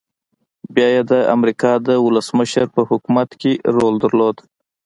بيا يې د امريکا د ولسمشر په حکومت کې رول درلود.